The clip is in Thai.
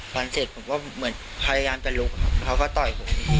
ฟันเสร็จผมก็เหมือนพยายามจะลุกครับแล้วเขาก็ต่อยผม